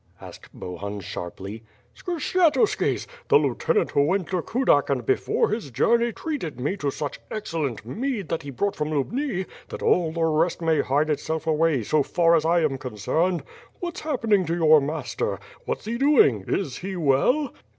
asked Bohun sharply. "Skshetuski's! The lieutenant who went to Kudak and be fore his journey treated me to such excellent mead that he brought from Lubni, that all the rest may hide itself away so WITH FIRE AND SWORD. 213 far as I am concerned. What's happening to your master? What's he doing, is he well?"